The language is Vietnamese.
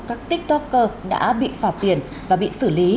các tiktoker đã bị phạt tiền và bị xử lý